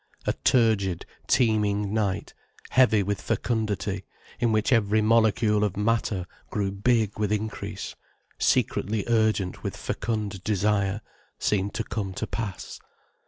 A turgid, teeming night, heavy with fecundity in which every molecule of matter grew big with increase, secretly urgent with fecund desire, seemed to come to pass.